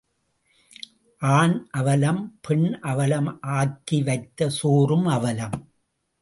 ஆண் அவலம், பெண் அவலம், ஆக்கி வைத்த சோறும் அவலம்.